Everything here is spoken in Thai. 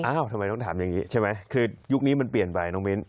ทำไมต้องถามอย่างนี้ใช่ไหมคือยุคนี้มันเปลี่ยนไปน้องมิ้น